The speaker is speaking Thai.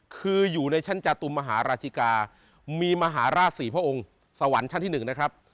คืออยู่ในชั้นจตุมมหาราชิกามีมหาราช๔พระองค์สวรรค์ชั้นที่๑นะครับ